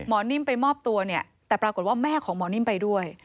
นิ่มไปมอบตัวเนี่ยแต่ปรากฏว่าแม่ของหมอนิ่มไปด้วย